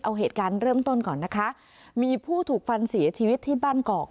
เอาเหตุการณ์เริ่มต้นก่อนนะคะมีผู้ถูกฟันเสียชีวิตที่บ้านกอก